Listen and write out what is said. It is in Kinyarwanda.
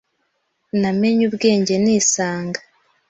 Namenye ubwenge nisanga